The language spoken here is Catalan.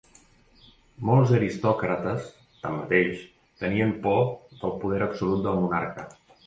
Molts aristòcrates, tanmateix, tenien por del poder absolut del monarca.